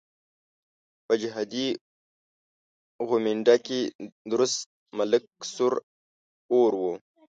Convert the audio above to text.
په جهادي غويمنډه کې درست ملک سور اور وو.